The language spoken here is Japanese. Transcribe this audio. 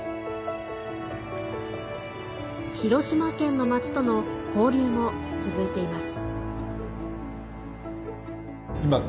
広島県の町との交流も続いています。